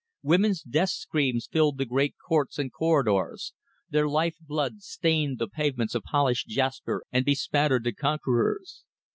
Women's death screams filled the great courts and corridors; their life blood stained the pavements of polished jasper and bespattered the conquerors.